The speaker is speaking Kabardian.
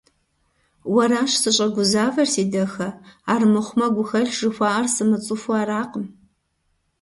Уэращ сыщӀэгузавэр, си дахэ, армыхъумэ гухэлъ жыхуаӀэр сымыцӀыхуу аракъым.